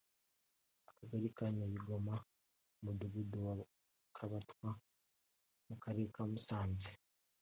Akagali ka Nyabigoma Umudugudu wa Kabatwa mu Karere ka Musanze